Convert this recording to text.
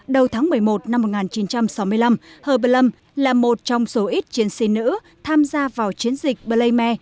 đầu tháng một mươi một năm một nghìn chín trăm sáu mươi năm hợp lâm là một trong số ít chiến sĩ nữ tham gia vào chiến dịch blayme